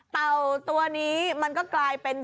เต่าตัวนี้มันก็กลายเป็น